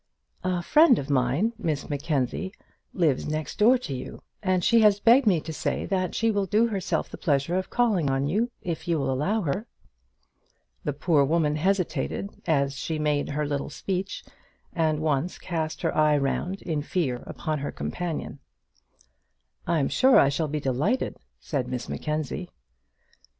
"A friend of mine, Miss Mackenzie, lives next door to you, and she has begged me to say that she will do herself the pleasure of calling on you, if you will allow her." The poor woman hesitated as she made her little speech, and once cast her eye round in fear upon her companion. "I'm sure I shall be delighted," said Miss Mackenzie.